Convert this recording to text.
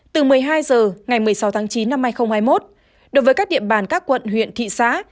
từ một mươi hai h ngày một mươi sáu tháng chín năm hai nghìn hai mươi một đối với các địa bàn các quận huyện thị xã